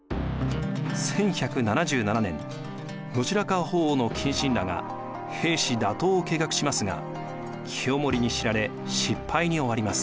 １１７７年後白河法皇の近臣らが平氏打倒を計画しますが清盛に知られ失敗に終わります。